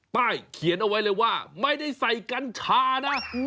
ป้ายเขียนเอาไว้เลยว่าไม่ได้ใส่กัญชานะ